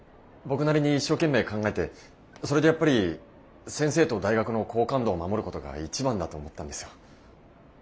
僕なりに一生懸命考えてそれでやっぱり先生と大学の好感度を守ることが一番だと思ったんですよ。